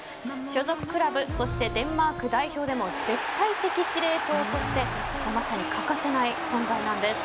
所属クラブそしてデンマーク代表でも絶対的司令塔としてまさに欠かせない存在なんです。